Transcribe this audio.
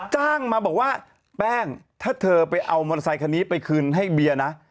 จ้างมาบอกว่าแป้งถ้าเธอไปเอามอเตอร์ไซคันนี้ไปคืนให้เบียร์นะ